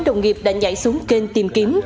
đồng nghiệp đã nhảy xuống kênh tìm kiếm